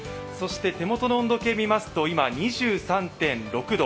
手元の温度計を見ますと今２３．６度。